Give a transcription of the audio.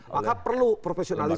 maka perlu profesionalis